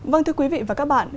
vâng thưa quý vị và các bạn